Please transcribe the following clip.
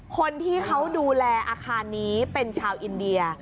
คนที่เขาดูแลอาคารนี้เป็นชาวอินเดีย